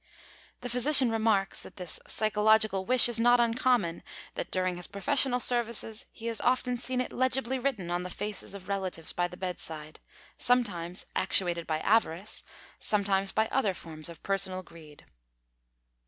The physician remarks that this psychological wish is not uncommon; that during his professional services he has often seen it legibly written on the faces of relatives by the bedside sometimes actuated by avarice, sometimes by other forms of personal greed.